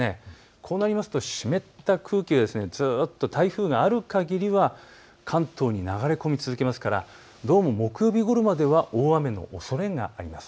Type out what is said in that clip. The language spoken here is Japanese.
こうなると湿った空気がずっと台風があるかぎりは関東に流れ込み続けますからどうも木曜日ごろまでは大雨のおそれがあります。